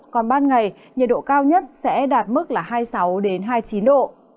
còn ban ngày nhiệt độ cao nhất sẽ đạt mức hai mươi sáu hai mươi chín độ